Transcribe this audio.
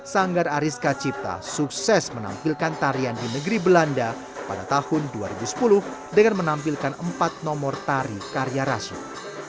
sanggar ariska cipta sukses menampilkan tarian di negeri belanda pada tahun dua ribu sepuluh dengan menampilkan empat nomor tari karya rashid